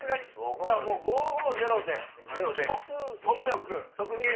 じゃあもう５５０で即入浴。